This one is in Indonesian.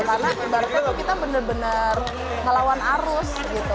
karena ibaratnya kita bener bener ngelawan arus